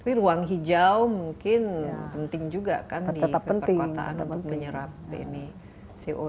tapi ruang hijau mungkin penting juga kan di perkotaan untuk menyerap ini co